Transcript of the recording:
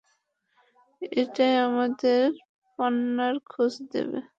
এটাই আমাদের পান্নার খোঁজ দেবে!